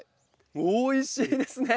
おいしいですね。